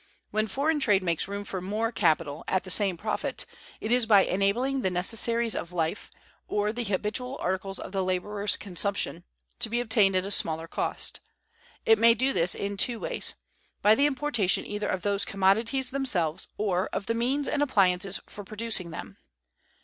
When foreign trade makes room for more capital at the same profit, it is by enabling the necessaries of life, or the habitual articles of the laborer's consumption, to be obtained at smaller cost. It may do this in two ways: by the importation either of those commodities themselves, or of the means and appliances for producing them.